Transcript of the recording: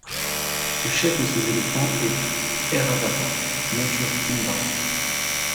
Le chef de ces éléphants est Airavata, monture d'Indra.